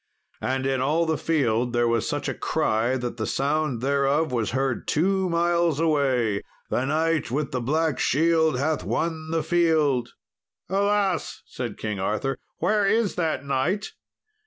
And in all the field there was such a cry that the sound thereof was heard two miles away "The knight with the black shield hath won the field." "Alas!" said King Arthur, "where is that knight?